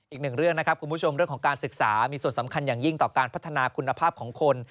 อีกหนึ่งเรื่องนะครับคุณผู้ชมเรื่องของการศึกษามีส่วนสำคัญอย่างยิ่งต่อการพัฒนาคุณภาพของคน